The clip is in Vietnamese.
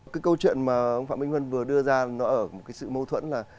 cái câu chuyện mà ông phạm minh huân vừa đưa ra nó ở một cái sự mâu thuẫn là